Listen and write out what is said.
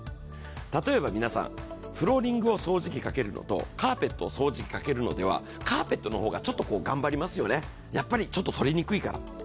例えば皆さん、フローリングを掃除機かけるのと、カーペットを掃除機にかけるのでは、カーペットの方をちょっと頑張りますよね、やっぱりちょっと取りにくいから。